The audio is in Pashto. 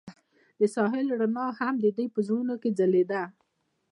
د ساحل رڼا هم د دوی په زړونو کې ځلېده.